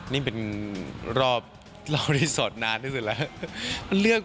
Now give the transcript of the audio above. นี่เป็นรอบรอบรีสอร์ทนานที่สุดแล้ว